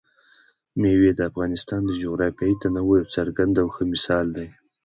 مېوې د افغانستان د جغرافیوي تنوع یو څرګند او ښه مثال دی.